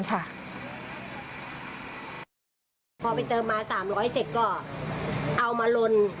พอไปเติมมา๓๐๐เสร็จก็เอามาลน